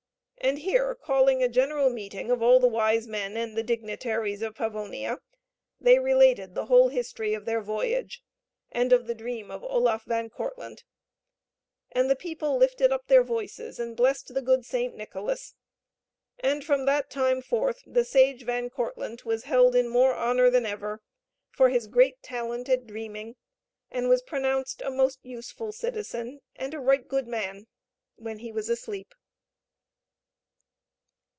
And here calling a general meeting of all the wise men and the dignitaries of Pavonia, they related the whole history of their voyage, and of the dream of Oloffe Van Kortlandt. And the people lifted up their voices and blessed the good St. Nicholas, and from that time forth the sage Van Kortlandt was held in more honor than ever, for his great talent at dreaming, and was pronounced a most useful citizen, and a right good man when he was asleep.